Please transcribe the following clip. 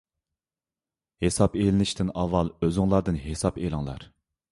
ھېساب ئېلىنىشتىن ئاۋۋال ئۆزۈڭلاردىن ھېساب ئېلىڭلار.